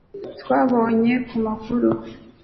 twabonye ku makuru